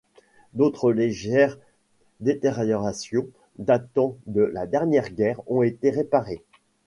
D’autres légères détériorations datant de la dernière guerre ont été réparées.